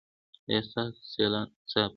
ایا ستاسو سیالان انصاف کوي؟